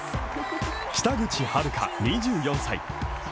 北口榛花、２４歳。